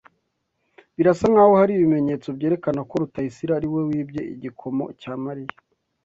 Birasa nkaho hari ibimenyetso byerekana ko Rutayisire ariwe wibye igikomo cya Mariya.